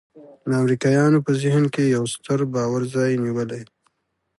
د امریکایانو په ذهن کې یو ستر باور ځای نیولی.